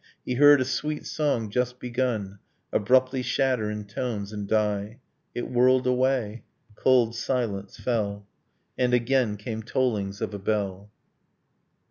He heard a sweet song just begun Abruptly shatter in tones and die. It whirled away. Cold silence fell. And again came tollings of a bell.